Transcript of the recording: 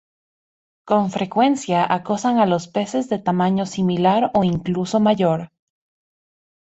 Con frecuencia acosan a los peces de tamaño similar o incluso mayor.